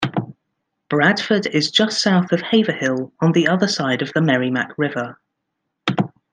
Bradford is just south of Haverhill on the other side of the Merrimack River.